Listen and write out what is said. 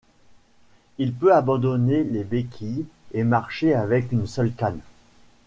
Il peut abandonner les béquilles et marcher avec une seule canne.